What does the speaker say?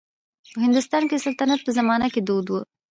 په هندوستان کې د سلطنت په زمانه کې دود و.